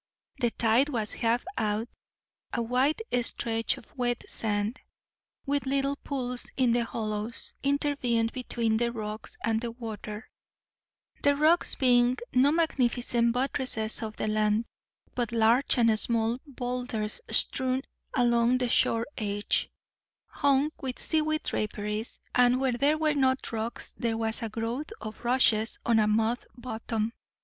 The tide was half out; a wide stretch of wet sand, with little pools in the hollows, intervened between the rocks and the water; the rocks being no magnificent buttresses of the land, but large and small boulders strewn along the shore edge, hung with seaweed draperies; and where there were not rocks there was a growth of rushes on a mud bottom.